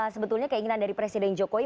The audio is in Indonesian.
sebetulnya keinginan dari presiden jokowi